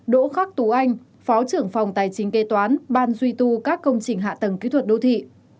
đỗ khắc tú anh phó trưởng phòng tài chính kế toán ban duy tu các công trình hạ tầng kỹ thuật đô thị